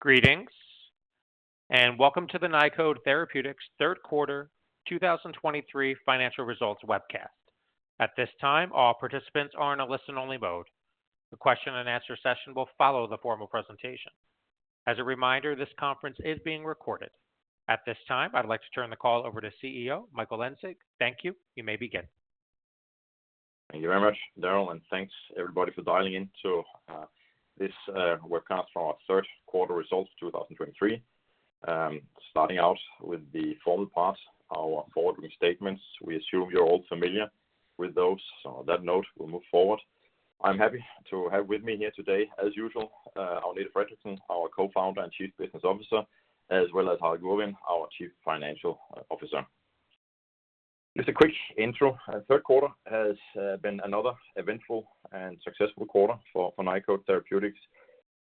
Greetings, and welcome to the Nykode Therapeutics third quarter 2023 financial results webcast. At this time, all participants are in a listen-only mode. The question and answer session will follow the formal presentation. As a reminder, this conference is being recorded. At this time, I'd like to turn the call over to CEO, Michael Engsig. Thank you. You may begin. Thank you very much, Daryl, and thanks everybody for dialing in to this webcast for our third quarter results, 2023. Starting out with the formal part, our forward-looking statements. We assume you're all familiar with those. So on that note, we'll move forward. I'm happy to have with me here today, as usual, Agnete Fredriksen, our Co-founder and Chief Business Officer, as well as Harald Gurvin, our Chief Financial Officer. Just a quick intro. Our third quarter has been another eventful and successful quarter for Nykode Therapeutics,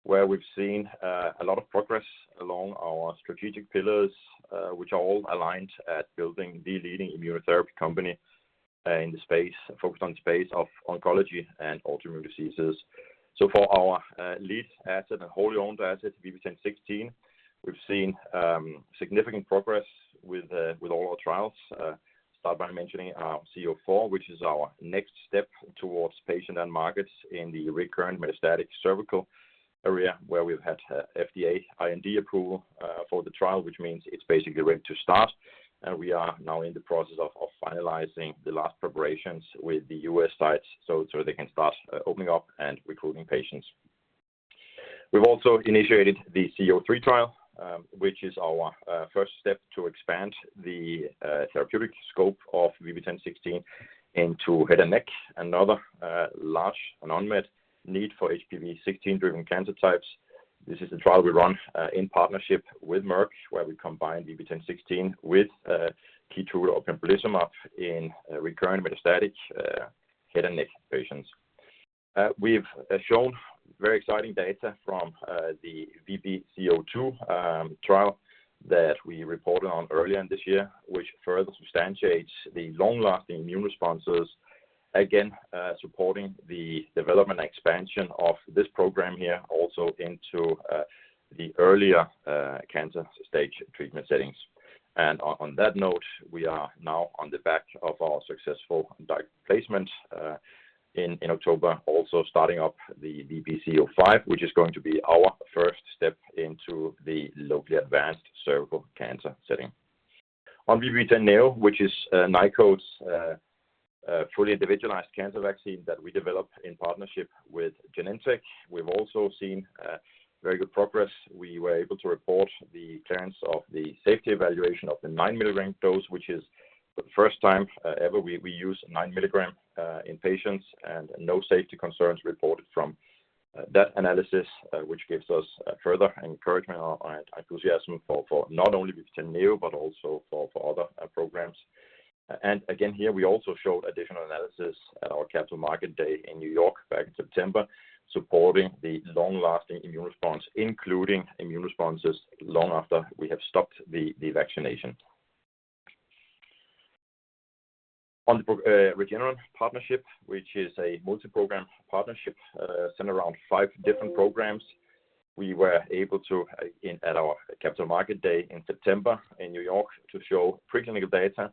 where we've seen a lot of progress along our strategic pillars, which are all aligned at building the leading immunotherapy company in the space, focused on the space of oncology and autoimmune diseases. So for our lead asset and wholly owned asset, VB10.16, we've seen significant progress with all our trials. Start by mentioning our VB-C-04, which is our next step towards patient and markets in the recurrent metastatic cervical area, where we've had FDA IND approval for the trial, which means it's basically ready to start. And we are now in the process of finalizing the last preparations with the U.S. sites so they can start opening up and recruiting patients. We've also initiated the VB-C-03 trial, which is our first step to expand the therapeutic scope of VB10.16 into head and neck, another large and unmet need for HPV16 driven cancer types. This is a trial we run in partnership with Merck, where we combine VB10.16 with KEYTRUDA or pembrolizumab in recurrent metastatic head and neck patients. We've shown very exciting data from the VB-C-02 trial that we reported on earlier this year, which further substantiates the long-lasting immune responses, again, supporting the development expansion of this program here also into the earlier cancer stage treatment settings. And on that note, we are now on the back of our successful direct placement in October, also starting up the VB-C-05, which is going to be our first step into the locally advanced cervical cancer setting. On VB10.NEO, which is Nykode's fully individualized cancer vaccine that we developed in partnership with Genentech, we've also seen very good progress. We were able to report the trends of the safety evaluation of the 9 mg dose, which is the first time ever we used 9 mg in patients, and no safety concerns reported from that analysis, which gives us further encouragement and enthusiasm for not only VB10.NEO, but also for other programs. Again, here, we also showed additional analysis at our Capital Market Day in New York back in September, supporting the long-lasting immune response, including immune responses long after we have stopped the vaccination. On the Regeneron partnership, which is a multi-program partnership, centered around five different programs, we were able to at our Capital Markets Day in September in New York to show preclinical data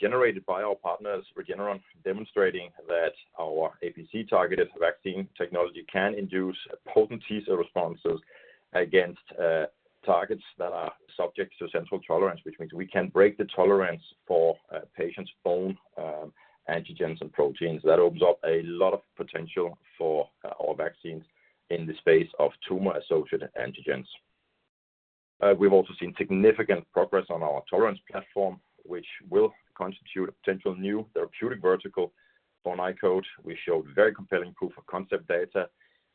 generated by our partners, Regeneron, demonstrating that our APC-targeted vaccine technology can induce potent T cell responses against targets that are subject to central tolerance, which means we can break the tolerance for patients' own antigens and proteins. That opens up a lot of potential for our vaccines in the space of tumor-associated antigens. We've also seen significant progress on our tolerance platform, which will constitute a potential new therapeutic vertical for Nykode. We showed very compelling proof of concept data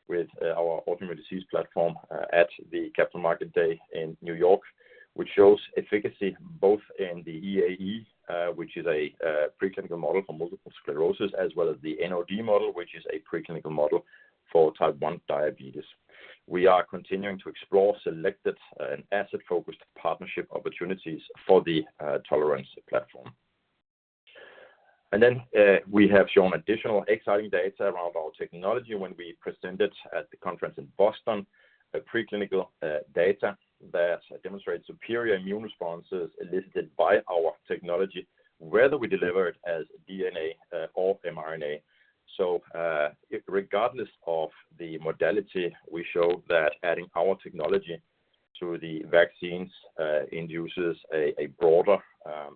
with our autoimmune disease platform at the Capital Markets Day in New York, which shows efficacy both in the EAE, which is a preclinical model for multiple sclerosis, as well as the NOD model, which is a preclinical model for type one diabetes. We are continuing to explore selected and asset-focused partnership opportunities for the tolerance platform. And then we have shown additional exciting data around our technology when we presented at the conference in Boston, a preclinical data that demonstrates superior immune responses elicited by our technology, whether we deliver it as DNA or mRNA. So regardless of the modality, we showed that adding our technology to the vaccines induces a broader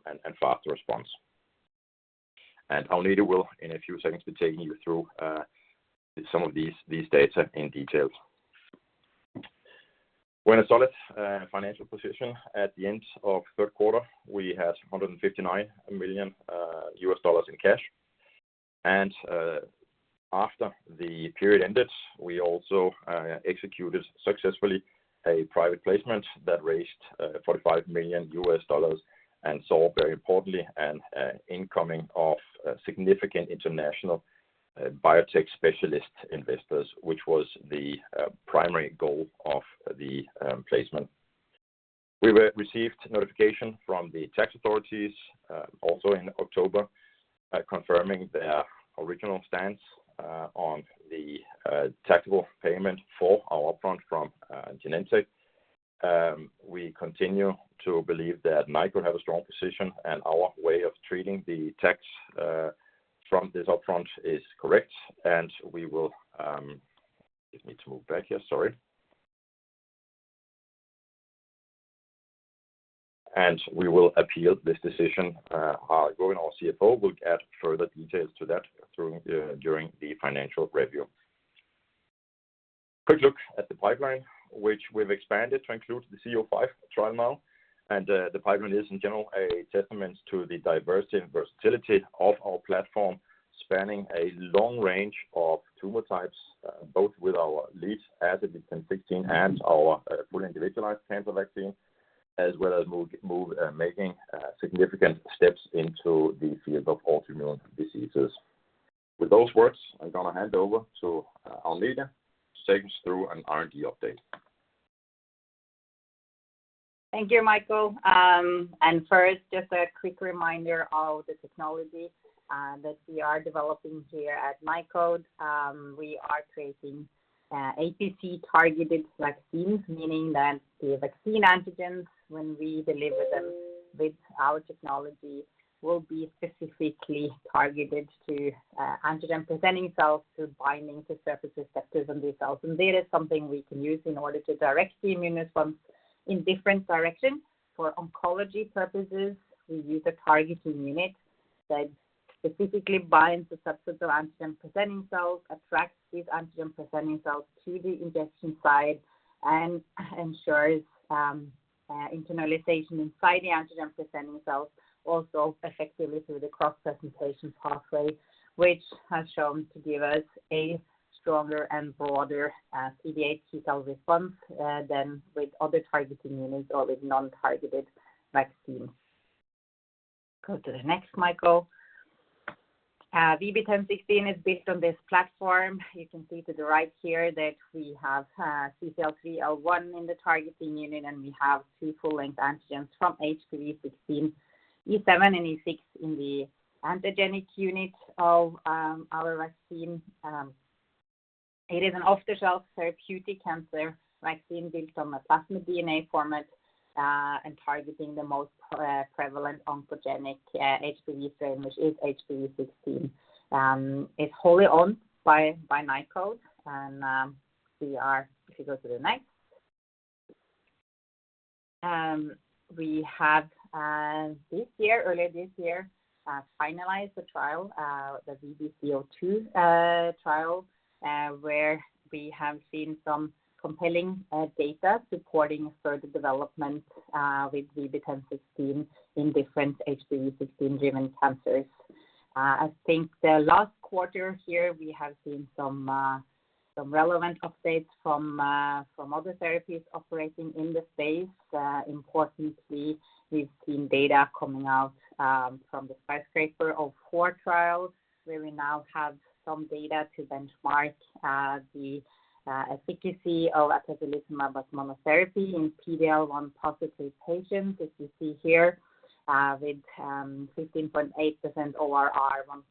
and faster response. Agnete will, in a few seconds, be taking you through some of these data in detail. We're in a solid financial position. At the end of third quarter, we had $159 million in cash, and after the period ended, we also executed successfully a private placement that raised $45 million, and so very importantly, an incoming of significant international biotech specialist investors, which was the primary goal of the placement. We were received notification from the tax authorities also in October confirming their original stance on the taxable payment for our upfront from Genentech. We continue to believe that Nykode has a strong position, and our way of treating the tax from this upfront is correct, and we will appeal this decision. Our CFO will add further details to that during the financial review. Quick look at the pipeline, which we've expanded to include the VB-C-05 trial now, and the pipeline is, in general, a testament to the diversity and versatility of our platform, spanning a long range of tumor types, both with our lead asset in VB10.16 and our fully individualized cancer vaccine, as well as making significant steps into the field of autoimmune diseases. With those words, I'm going to hand over to Agnete to take us through an R&D update. Thank you, Michael. And first, just a quick reminder of the technology that we are developing here at Nykode. We are creating APC-targeted vaccines, meaning that the vaccine antigens, when we deliver them with our technology, will be specifically targeted to antigen-presenting cells through binding to surface receptors on these cells. And this is something we can use in order to direct the immune response in different directions. For oncology purposes, we use a targeting unit that specifically binds subsets of antigen-presenting cells, attracts these antigen-presenting cells to the injection site, and ensures internalization inside the antigen-presenting cells, also effectively through the cross-presentation pathway, which has shown to give us a stronger and broader CD8 T cell response than with other targeting units or with non-targeted vaccines. Go to the next, Michael. VB10.16 is based on this platform. You can see to the right here that we have CCL3L1 in the targeting unit, and we have two full-length antigens from HPV16, E7 and E6, in the antigenic unit of our vaccine. It is an off-the-shelf therapeutic cancer vaccine built on a plasmid DNA format and targeting the most prevalent oncogenic HPV strain, which is HPV16. It's wholly owned by Nykode, and we are... If you go to the next. We have this year, earlier this year, finalized a trial, the VB-C-02 trial, where we have seen some compelling data supporting further development with VB10.16 in different HPV16-driven cancers. I think the last quarter here, we have seen some relevant updates from other therapies operating in the space. Importantly, we've seen data coming out from the first paper of four trials, where we now have some data to benchmark the efficacy of atezolizumab as monotherapy in PD-L1-positive patients. As you see here, with 15.8% ORR,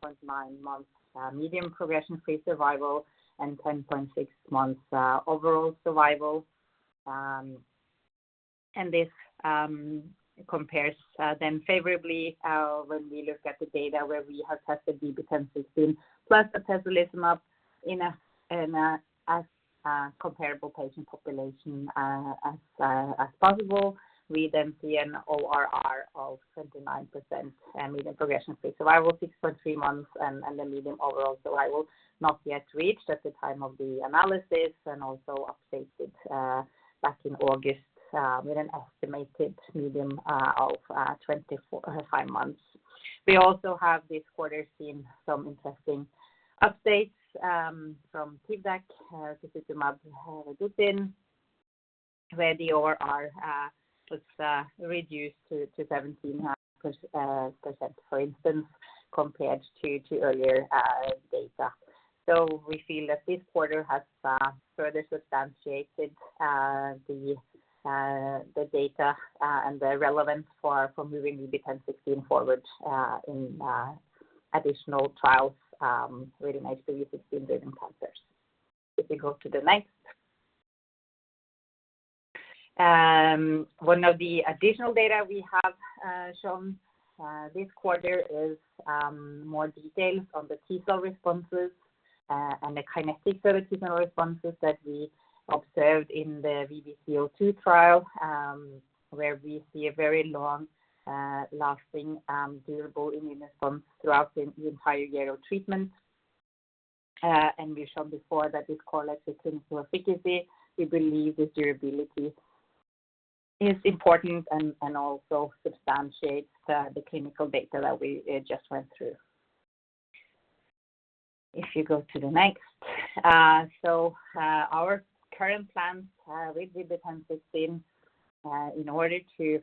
1.9 months median progression-free survival, and 10.6 months overall survival. And this compares then favorably when we look at the data where we have tested VB10.16 plus atezolizumab in a comparable patient population as possible. We then see an ORR of 29% and median progression-free survival, 6.3 months, and the median overall survival, not yet reached at the time of the analysis, and also updated back in August with an estimated median of 24 or 25 months. We also have this quarter seen some interesting updates from KEYTRUDA pembrolizumab, where the ORR was reduced to 17%, for instance, compared to earlier data. So we feel that this quarter has further substantiated the data and the relevance for moving VB10.16 forward in additional trials related to HPV16 driven cancers. If we go to the next. One of the additional data we have shown this quarter is more details on the T cell responses and the kinetics of the T cell responses that we observed in the VB-C-02 trial, where we see a very long lasting durable immune response throughout the entire year of treatment. And we've shown before that this correlates with clinical efficacy. We believe the durability is important and also substantiates the clinical data that we just went through. If you go to the next. So, our current plans with VB10.16 in order to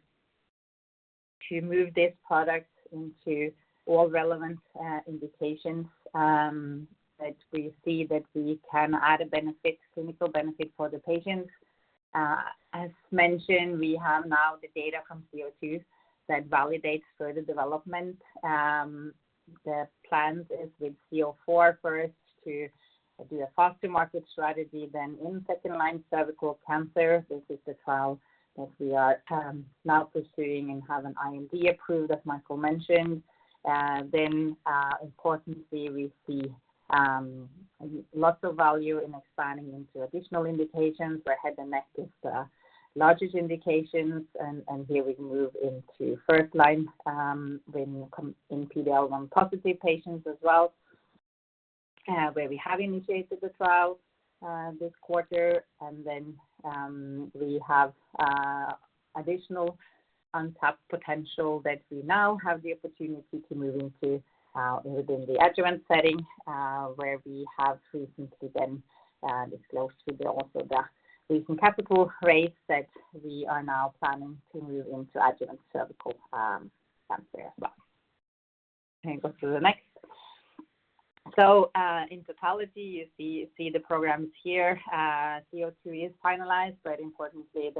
move this product into all relevant indications that we see that we can add a benefit, clinical benefit for the patients. As mentioned, we have now the data from VB-C-02 that validates further development. The plan is with VB-C-04 first to do a faster market strategy than in second-line cervical cancer. This is the trial that we are now pursuing and have an IND approved, as Michael mentioned. Then, importantly, we see lots of value in expanding into additional indications, where head and neck is the largest indications, and here we move into first line, when combined in PD-L1 positive patients as well, where we have initiated the trial this quarter. And then, we have additional untapped potential that we now have the opportunity to move into, within the adjuvant setting, where we have recently then disclosed with also the recent capital raise that we are now planning to move into adjuvant cervical cancer as well. Can you go to the next? So, in totality, you see the programs here. VB-C-02 is finalized, but importantly,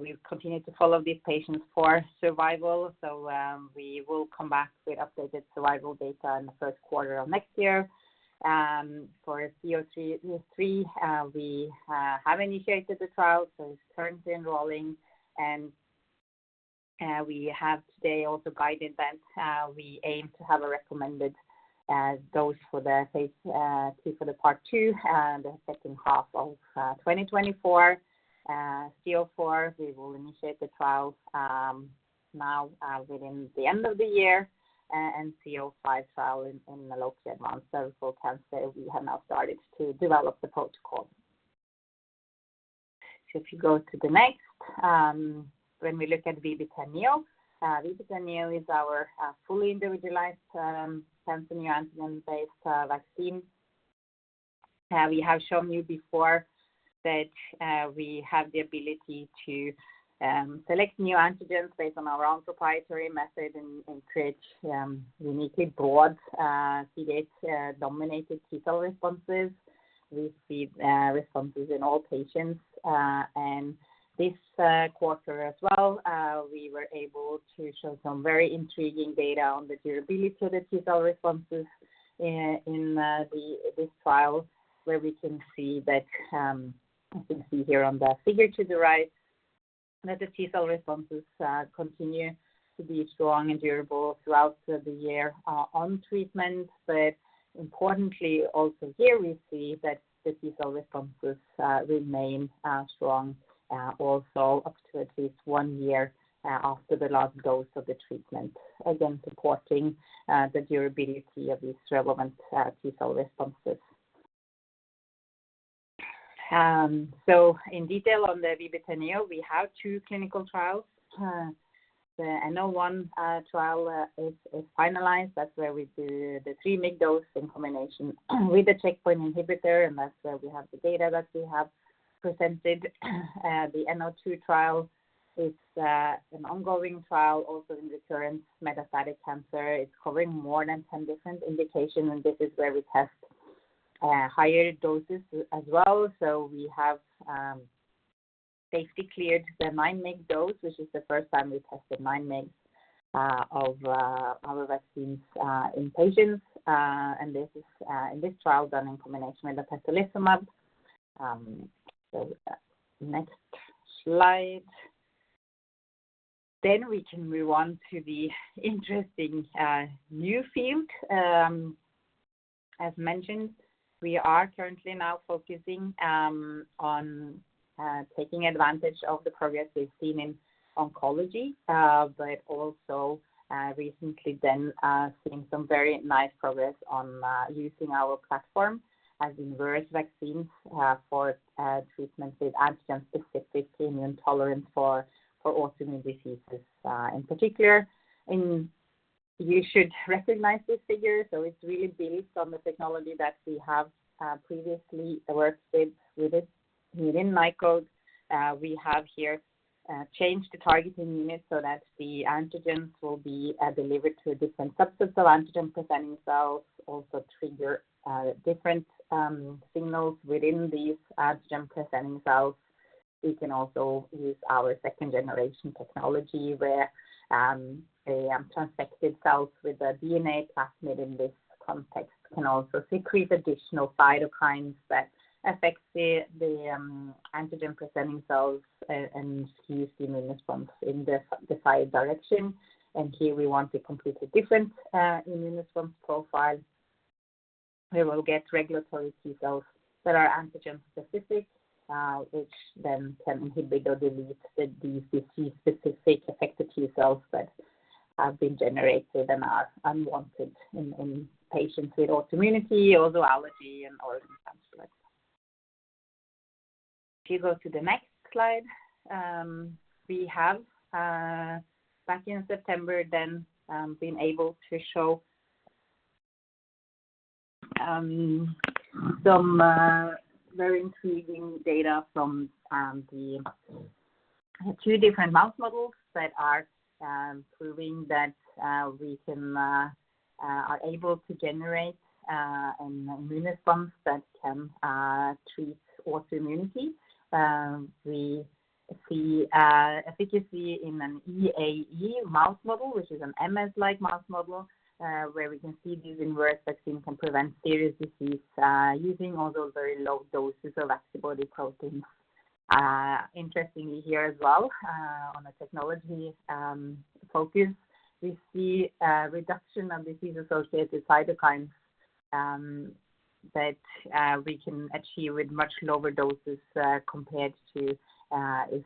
we've continued to follow these patients for survival. So, we will come back with updated survival data in the first quarter of next year. For VB-C-03, we have initiated the trial, so it's currently enrolling, and we have today also guide events. We aim to have a recommended dose for the phase II for the part two and the second half of 2024. VB-C-04, we will initiate the trial now within the end of the year, and VB-C-05 trial in low-grade cervical cancer. We have now started to develop the protocol. So if you go to the next. When we look at VB10.NEO, VB10.NEO is our fully individualized cancer neoantigen based vaccine. We have shown you before that we have the ability to select new antigens based on our own proprietary method and create uniquely broad CD8-dominated T cell responses. We see responses in all patients and this quarter as well we were able to show some very intriguing data on the durability of the T cell responses in this trial. Where we can see that you can see here on the figure to the right, that the T cell responses continue to be strong and durable throughout the year on treatment. But importantly, also here, we see that the T cell responses remain strong also up to at least one year after the last dose of the treatment. Again, supporting the durability of these relevant T cell responses. So in detail on the VB10.NEO, we have two clinical trials. The VB-N-01 trial is finalized. That's where we do the 3 mg dose in combination with the checkpoint inhibitor, and that's where we have the data that we have presented. The VB-N-02 trial is an ongoing trial, also in recurrent metastatic cancer. It's covering more than 10 different indications, and this is where we test higher doses as well. So we have basically cleared the 9 mg dose, which is the first time we tested 9 mg of our vaccines in patients. And this is in this trial, done in combination with atezolizumab. So next slide. Then we can move on to the interesting new field. As mentioned, we are currently now focusing on taking advantage of the progress we've seen in oncology, but also recently then seeing some very nice progress on using our platform as inverse vaccines for treatment with antigen-specific immune tolerance for autoimmune diseases. In particular, in—you should recognize this figure, so it's really based on the technology that we have previously worked with, with it within Nykode. We have here changed the targeting unit so that the antigens will be delivered to a different substance. So antigen-presenting cells also trigger different signals within these antigen-presenting cells. We can also use our second-generation technology, where a transfected cells with a DNA plasmid in this context can also secrete additional cytokines that affect the antigen-presenting cells and use the immune response in the desired direction. And here we want a completely different immune response profile. We will get regulatory T cells that are antigen specific, which then can inhibit or delete the CD8 specific effector T cells that have been generated and are unwanted in patients with autoimmunity or allergy and all circumstances like that. If you go to the next slide. We have back in September then been able to show some very intriguing data from the two different mouse models that are proving that we are able to generate an immune response that can treat autoimmunity. We see efficacy in an EAE mouse model, which is an MS-like mouse model, where we can see these inverse vaccines can prevent serious disease using all those very low doses of antibody protein. Interestingly here as well, on a technology focus, we see a reduction of disease-associated cytokines that we can achieve with much lower doses compared to if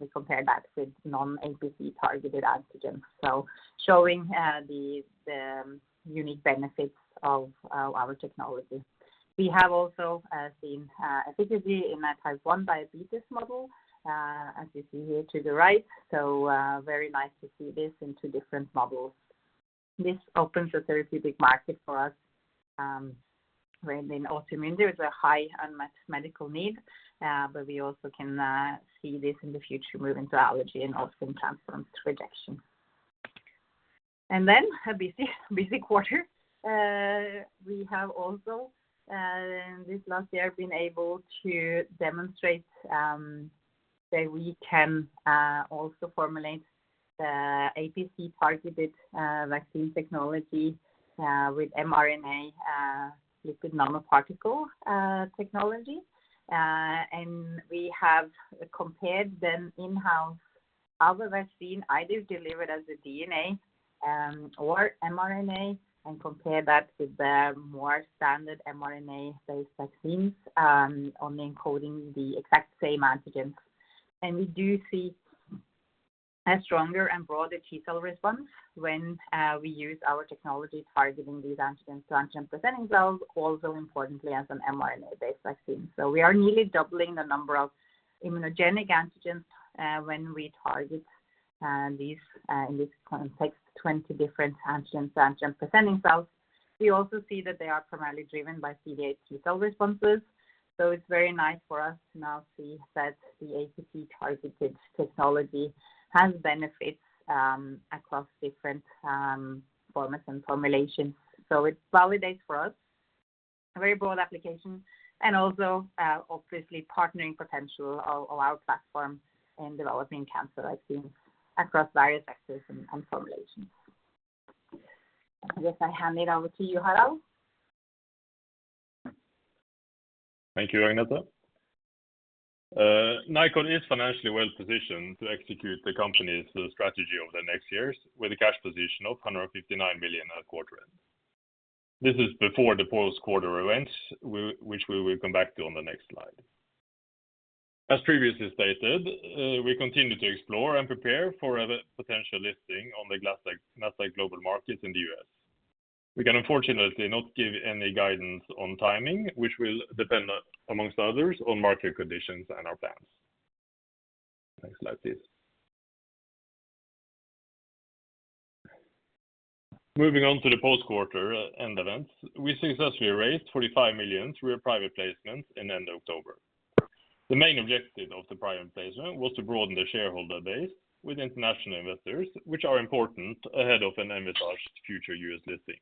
we compare that with non-APC-targeted antigens. So showing the unique benefits of our technology. We have also seen efficacy in a type one diabetes model, as you see here to the right. So, very nice to see this in two different models. This opens a therapeutic market for us, where in autoimmune there is a high unmet medical need, but we also can see this in the future moving to allergy and also in transplant rejection. And then a busy, busy quarter. We have also, this last year, been able to demonstrate, that we can also formulate the APC-targeted vaccine technology, with mRNA, lipid nanoparticle, technology. And we have compared them in-house, our vaccine, either delivered as a DNA, or mRNA, and compare that with the more standard mRNA-based vaccines, only encoding the exact same antigens. And we do see a stronger and broader T cell response when we use our technology targeting these antigens to antigen-presenting cells, also importantly, as an mRNA-based vaccine. So we are nearly doubling the number of immunogenic antigens, when we target, these, in this context, 20 different antigens and antigen-presenting cells. We also see that they are primarily driven by CD8 T cell responses. So it's very nice for us to now see that the APC-targeted technology has benefits, across different, formats and formulations. So it validates for us a very broad application and also, obviously, partnering potential of, of our platform in developing cancer vaccine across various axes and, and formulations. I guess I hand it over to you, Harald. Thank you, Agnete. Nykode is financially well-positioned to execute the company's strategy over the next years with a cash position of $159 million at quarter end. This is before the post-quarter events, which we will come back to on the next slide. As previously stated, we continue to explore and prepare for a potential listing on the Nasdaq Global Market in the U.S. We can unfortunately not give any guidance on timing, which will depend, among others, on market conditions and our plans. Next slide, please. Moving on to the post-quarter end events, we successfully raised $45 million through a private placement in late October. The main objective of the private placement was to broaden the shareholder base with international investors, which are important ahead of an envisaged future U.S. listing.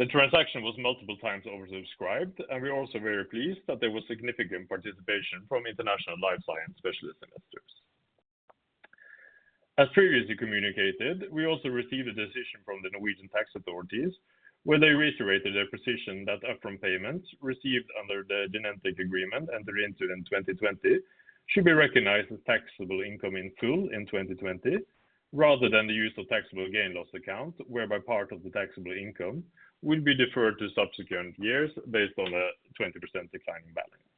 The transaction was multiple times oversubscribed, and we're also very pleased that there was significant participation from international life science specialist investors. As previously communicated, we also received a decision from the Norwegian Tax Authorities, where they reiterated their position that upfront payments received under the Genentech agreement and reentered in 2020, should be recognized as taxable income in full in 2020, rather than the use of taxable gain/loss account, whereby part of the taxable income will be deferred to subsequent years based on a 20% declining balance.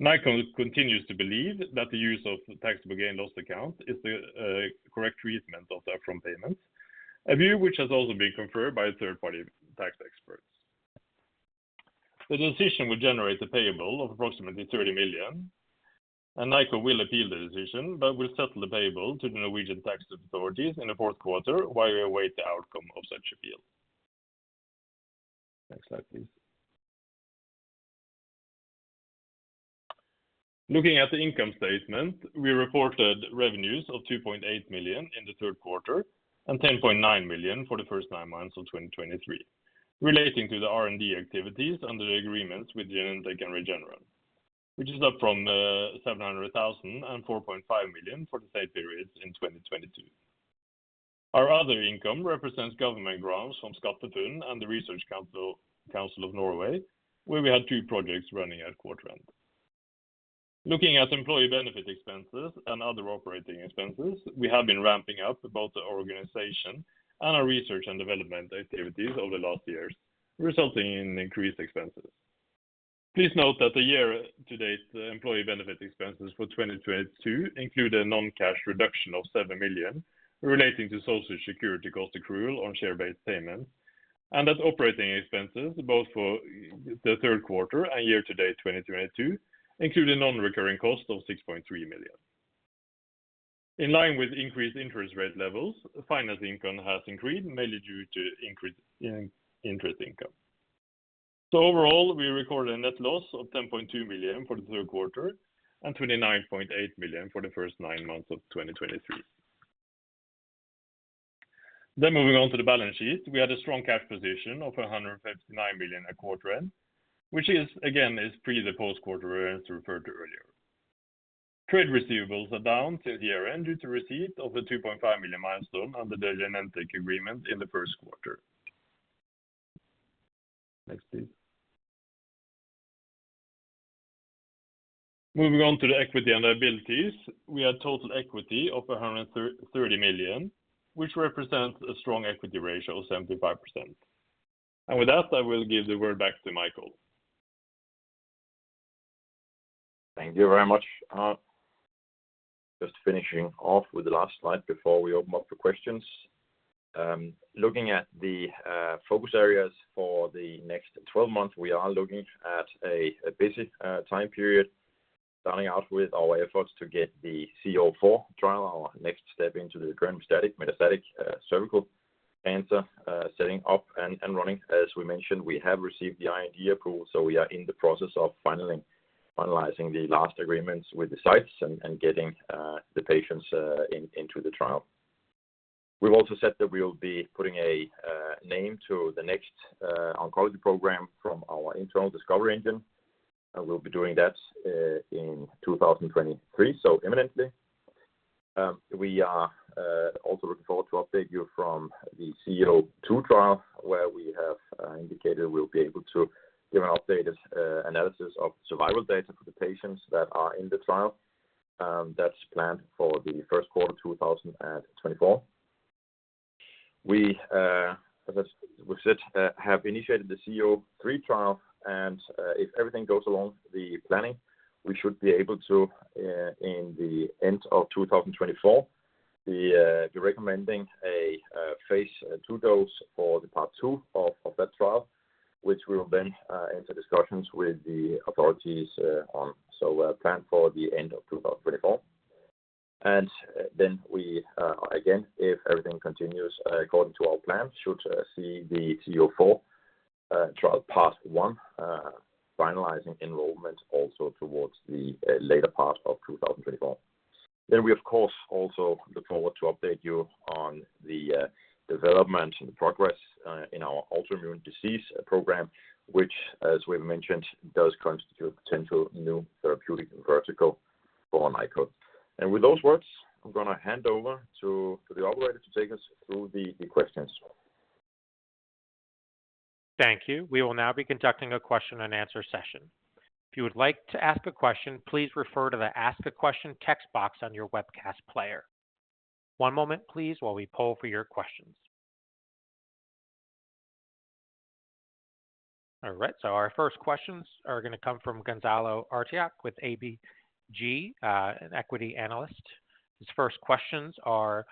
Nykode continues to believe that the use of taxable gain/loss account is the correct treatment of the upfront payments, a view which has also been confirmed by third-party tax experts. The decision will generate a payable of approximately $30 million, and Nykode will appeal the decision, but will settle the payable to the Norwegian Tax Authorities in the fourth quarter, while we await the outcome of such appeal. Next slide, please. Looking at the income statement, we reported revenues of $2.8 million in the third quarter and $10.9 million for the first nine months of 2023, relating to the R&D activities under the agreements with Genentech and Regeneron, which is up from $700,000 and $4.5 million for the same periods in 2022. Our other income represents government grants from SkatteFUNN and the Research Council of Norway, where we had two projects running at quarter end. Looking at employee benefit expenses and other operating expenses, we have been ramping up both the organization and our research and development activities over the last years, resulting in increased expenses. Please note that the year-to-date employee benefit expenses for 2022 include a non-cash reduction of $7 million, relating to social security cost accrual on share-based payments, and that operating expenses, both for the third quarter and year-to-date 2022, include a non-recurring cost of $6.3 million. In line with increased interest rate levels, finance income has increased, mainly due to increase in interest income. So overall, we recorded a net loss of $10.2 million for the third quarter and $29.8 million for the first nine months of 2023. Then moving on to the balance sheet, we had a strong cash position of $159 million at quarter end, which is again, is pre the post quarter as referred to earlier. Trade receivables are down till the year end due to receipt of the $2.5 million milestone under the Genentech agreement in the first quarter. Next, please. Moving on to the equity and liabilities, we had total equity of $130 million, which represents a strong equity ratio of 75%. And with that, I will give the word back to Michael. Thank you very much, just finishing off with the last slide before we open up for questions. Looking at the focus areas for the next 12 months, we are looking at a busy time period, starting out with our efforts to get the VB-C-04 trial, our next step into the recurrent metastatic cervical cancer setting up and running. As we mentioned, we have received the IND approval, so we are in the process of finally finalizing the last agreements with the sites and getting the patients into the trial. We've also said that we will be putting a name to the next oncology program from our internal discovery engine, and we'll be doing that in 2023, so imminently. We are also looking forward to update you from the VB-C-02 trial, where we have indicated we'll be able to give an updated analysis of survival data for the patients that are in the trial. That's planned for the first quarter 2024. We, as I, we said, have initiated the VB-C-03 trial, and if everything goes along the planning, we should be able to, in the end of 2024, be recommending a phase II dose for the part two of that trial, which we will then enter discussions with the authorities on. So, planned for the end of 2024. Then we again, if everything continues according to our plan, should see the VB-C-04 trial, part one, finalizing enrollment also towards the later part of 2024. Then we, of course, also look forward to update you on the development and the progress in our autoimmune disease program, which, as we've mentioned, does constitute potential new therapeutic vertical for Nykode. And with those words, I'm going to hand over to the operator to take us through the questions. Thank you. We will now be conducting a question and answer session. If you would like to ask a question, please refer to the Ask a Question text box on your webcast player. One moment, please, while we poll for your questions. All right, so our first questions are going to come from Gonzalo Artiach with ABG, an equity analyst. His first questions are: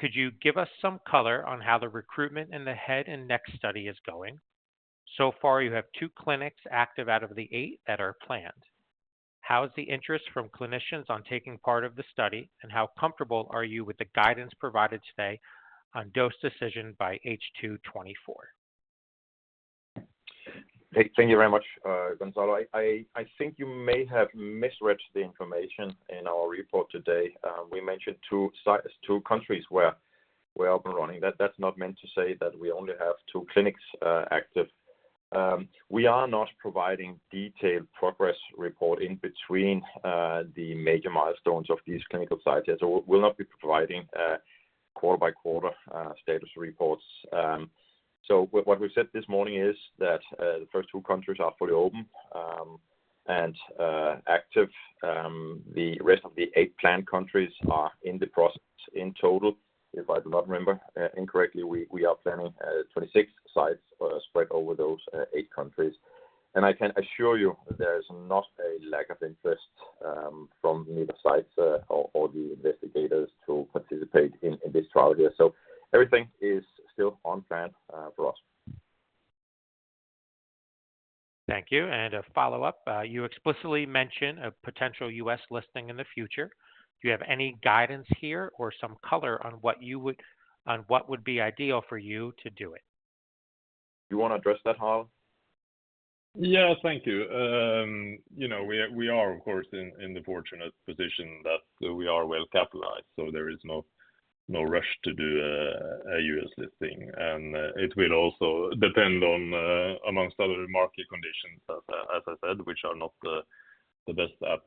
Could you give us some color on how the recruitment in the head and neck study is going? So far, you have two clinics active out of the eight that are planned. How is the interest from clinicians on taking part of the study, and how comfortable are you with the guidance provided today on dose decision by H2 2024? Hey, thank you very much, Gonzalo. I think you may have misread the information in our report today. We mentioned two sites, two countries where we are up and running. That's not meant to say that we only have two clinics active. We are not providing detailed progress report in between the major milestones of these clinical sites yet. So we'll not be providing quarter by quarter status reports. So what we said this morning is that the first two countries are fully open and active. The rest of the eight planned countries are in the process. In total, if I do not remember incorrectly, we are planning 26 sites spread over those eight countries. I can assure you there is not a lack of interest from neither sites or the investigators to participate in this trial here. Everything is still on plan for us. Thank you. A follow-up. You explicitly mentioned a potential U.S. listing in the future. Do you have any guidance here or some color on what you would—on what would be ideal for you to do it? You want to address that, Harald? Yeah, thank you. You know, we are of course in the fortunate position that we are well capitalized, so there is no rush to do a U.S. listing. It will also depend on among other market conditions, as I said, which are not the best at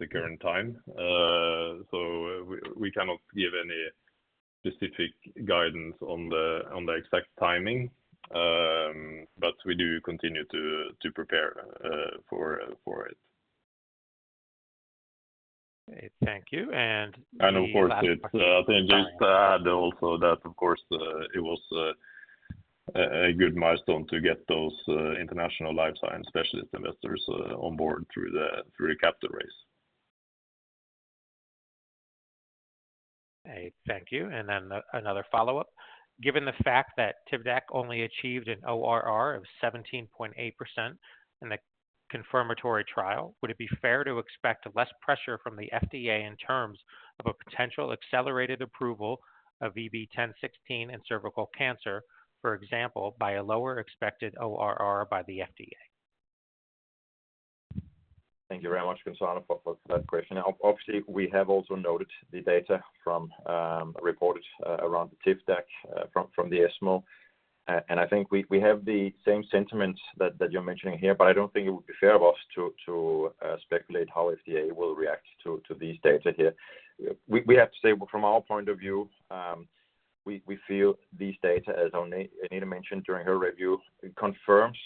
the current time. So we cannot give any specific guidance on the exact timing, but we do continue to prepare for it. Okay, thank you. And of course, let me just add also that, of course, it was a good milestone to get those international life science specialist investors on board through the capital raise. Okay, thank you. And then another follow-up. Given the fact that TIVDAK only achieved an ORR of 17.8% in the confirmatory trial, would it be fair to expect less pressure from the FDA in terms of a potential accelerated approval of VB10.16 and cervical cancer, for example, by a lower expected ORR by the FDA? Thank you very much, Gonzalo, for that question. Obviously, we have also noted the data from reported around the TIVDAK from the ESMO. And I think we have the same sentiment that you're mentioning here, but I don't think it would be fair of us to speculate how FDA will react to these data here. We have to say from our point of view, we feel these data, as Agnete mentioned during her review, confirms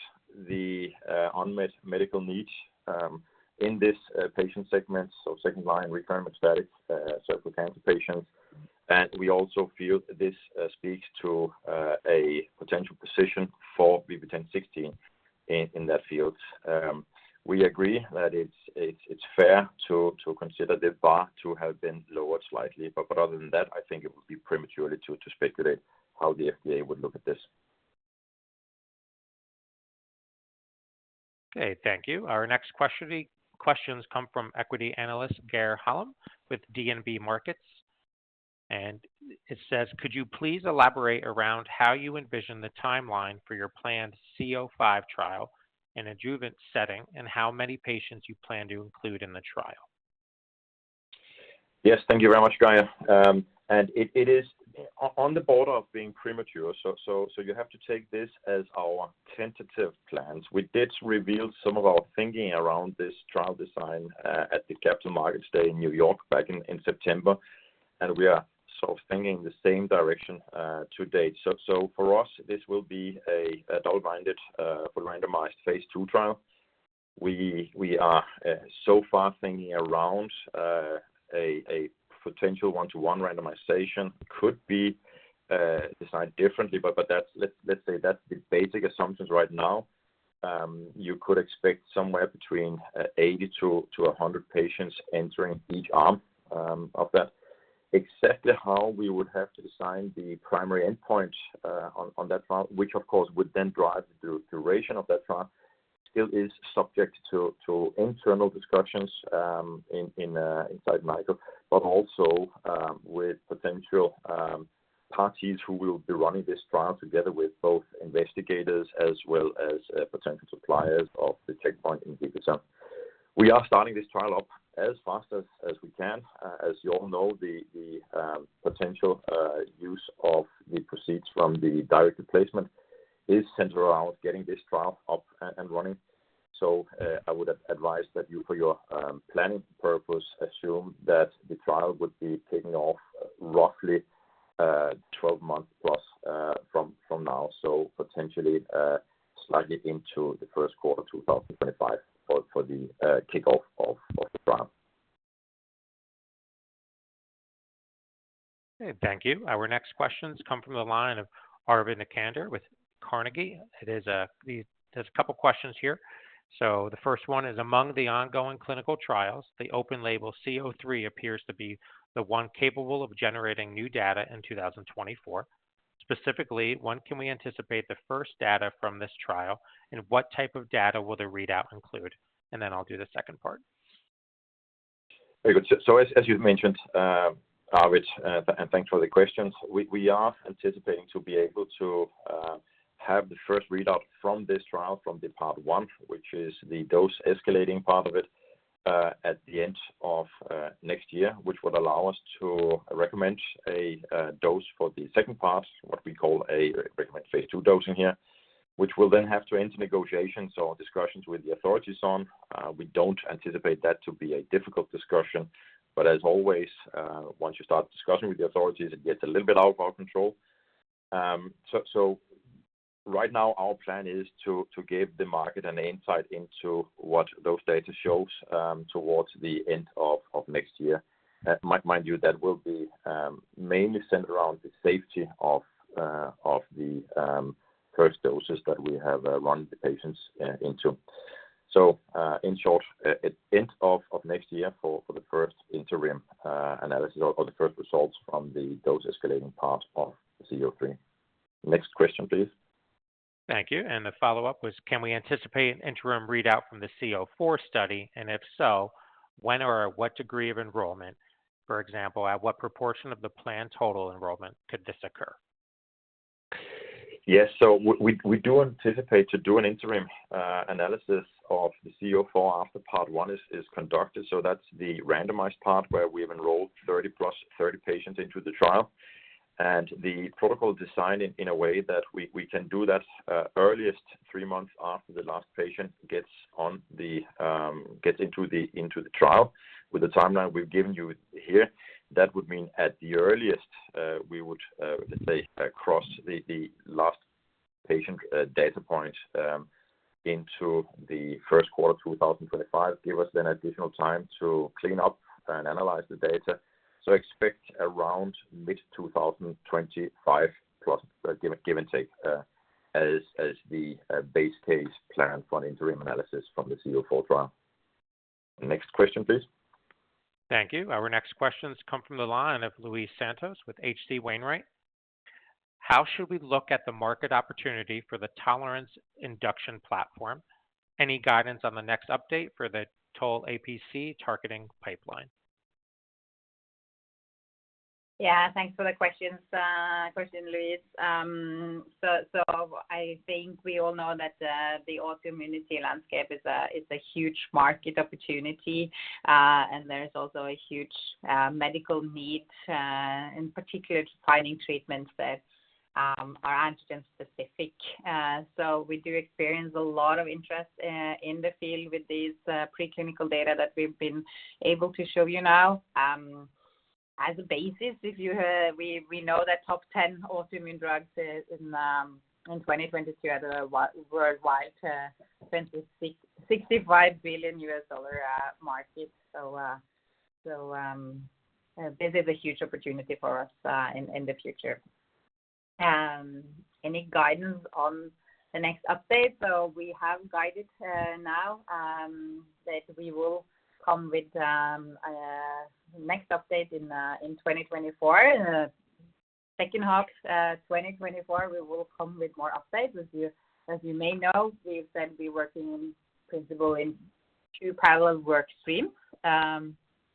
the unmet medical needs in this patient segment, so second-line recurrent metastatic cervical cancer patients. And we also feel this speaks to a potential position for VB10.16 in that field. We agree that it's fair to consider the bar to have been lowered slightly, but other than that, I think it would be premature to speculate how the FDA would look at this. Okay, thank you. Our next questions come from equity analyst, Geir Hiller Holom, with DNB Markets, and it says: Could you please elaborate around how you envision the timeline for your planned VB-C-05 trial in adjuvant setting, and how many patients you plan to include in the trial? Yes, thank you very much, Geir. It is on the border of being premature, so you have to take this as our tentative plans. We did reveal some of our thinking around this trial design at the Capital Markets Day in New York back in September, and we are sort of thinking the same direction to date. For us, this will be a double-blind randomized phase II trial. We are so far thinking around a potential one-to-one randomization, could be designed differently, but that's—let's say that's the basic assumptions right now. You could expect somewhere between 80-100 patients entering each arm of that. Exactly how we would have to design the primary endpoint, on that front, which of course would then drive the duration of that trial, still is subject to internal discussions inside Nykode, but also with potential parties who will be running this trial together with both investigators as well as potential suppliers of the checkpoint inhibitor. We are starting this trial up as fast as we can. As you all know, the potential use of the proceeds from the direct placement is centered around getting this trial up and running. So, I would advise that you, for your planning purpose, assume that the trial would be kicking off roughly 12 months plus from now. Potentially, slightly into the first quarter of 2025 for the kickoff of the trial. Okay, thank you. Our next questions come from the line of Arvid Necander with Carnegie. It is, there's a couple of questions here. So the first one is: Among the ongoing clinical trials, the open-label VB-C-03 appears to be the one capable of generating new data in 2024. Specifically, when can we anticipate the first data from this trial, and what type of data will the readout include? And then I'll do the second part. Very good. So as you've mentioned, Arvid, and thanks for the questions. We are anticipating to be able to have the first readout from this trial from the part one, which is the dose-escalating part of it, at the end of next year, which would allow us to recommend a dose for the second part, what we call a recommended phase II dosing here, which we'll then have to enter negotiations or discussions with the authorities on. We don't anticipate that to be a difficult discussion, but as always, once you start discussing with the authorities, it gets a little bit out of our control. So right now our plan is to give the market an insight into what those data shows, towards the end of next year. Mind you, that will be mainly centered around the safety of the first doses that we have run the patients into. So, in short, at end of next year for the first interim analysis or the first results from the dose escalating part of the VB-C-03. Next question, please. Thank you. The follow-up was, can we anticipate an interim readout from the VB-C-04 study, and if so, when or at what degree of enrollment? For example, at what proportion of the planned total enrollment could this occur? Yes. So we do anticipate to do an interim analysis of the VB-C-04 after part one is conducted. So that's the randomized part where we've enrolled 30 + 30 patients into the trial. And the protocol is designed in a way that we can do that, earliest three months after the last patient gets into the trial. With the timeline we've given you here, that would mean at the earliest, we would, let's say, cross the last patient data point into the first quarter of 2025. Give us an additional time to clean up and analyze the data. So expect around mid-2025, plus, give or take, as the base case plan for an interim analysis from the VB-C-04 trial. Next question, please. Thank you. Our next questions come from the line of Luis Santos with H.C. Wainwright... How should we look at the market opportunity for the tolerance induction platform? Any guidance on the next update for the Tol APC targeting pipeline? Yeah, thanks for the questions, question, Luis. So, I think we all know that the autoimmunity landscape is a huge market opportunity, and there's also a huge medical need, in particular, to finding treatments that are antigen-specific. So we do experience a lot of interest in the field with these preclinical data that we've been able to show you now. As a basis, if you heard, we know that top 10 autoimmune drugs in 2022 had a worldwide $26.5 billion market. So, this is a huge opportunity for us in the future. Any guidance on the next update? So we have guided now that we will come with next update in 2024. Second half, 2024, we will come with more updates. As you may know, we've been working in principle in two parallel workstream.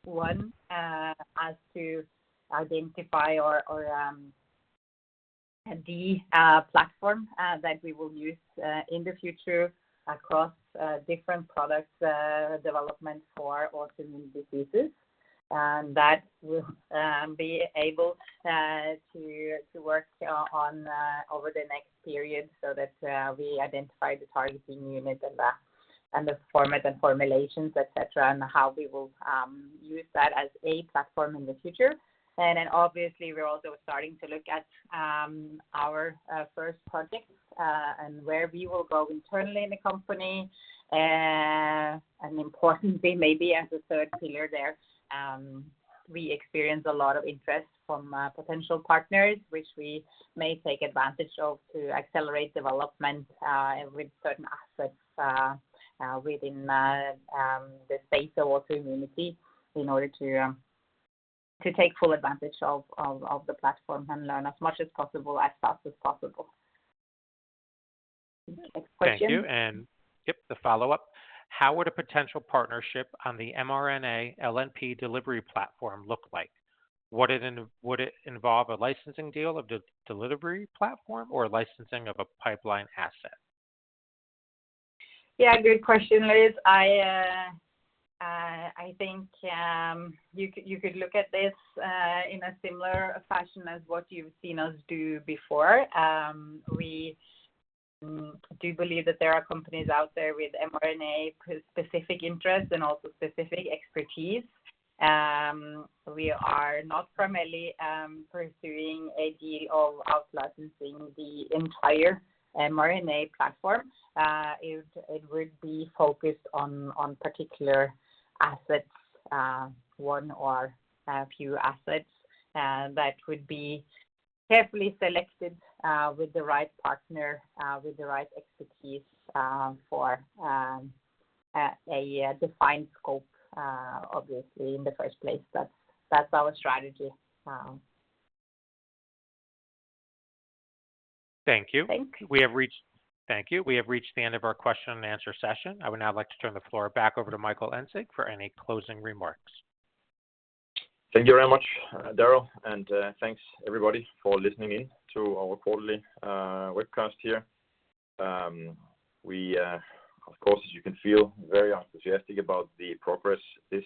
One has to identify the platform that we will use in the future across different products development for autoimmune diseases. And that will be able to work on over the next period so that we identify the targeting unit and the format and formulations, et cetera, and how we will use that as a platform in the future. And then obviously, we're also starting to look at our first project and where we will go internally in the company. Importantly, maybe as a third pillar there, we experience a lot of interest from potential partners, which we may take advantage of to accelerate development with certain assets within the space of autoimmunity in order to take full advantage of the platform and learn as much as possible, as fast as possible. Next question. Thank you. And yep, the follow-up: How would a potential partnership on the mRNA LNP delivery platform look like? Would it involve a licensing deal of the delivery platform or licensing of a pipeline asset? Yeah, good question, Luís. I think you could look at this in a similar fashion as what you've seen us do before. We do believe that there are companies out there with mRNA specific interests and also specific expertise. We are not primarily pursuing a deal of out licensing the entire mRNA platform. It would be focused on particular assets, one or a few assets, that would be carefully selected with the right partner with the right expertise for a defined scope, obviously, in the first place. That's our strategy. Thank you. Thank you. Thank you. We have reached the end of our question and answer session. I would now like to turn the floor back over to Michael Engsig for any closing remarks. Thank you very much, Daryl, and thanks everybody for listening in to our quarterly webcast here. We, of course, as you can feel very enthusiastic about the progress this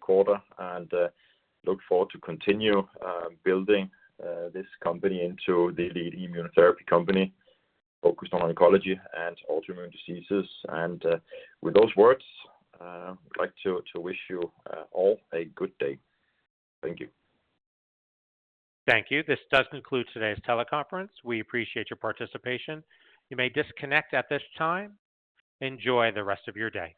quarter, and look forward to continue building this company into the leading immunotherapy company focused on oncology and autoimmune diseases. With those words, I'd like to wish you all a good day. Thank you. Thank you. This does conclude today's teleconference. We appreciate your participation. You may disconnect at this time. Enjoy the rest of your day.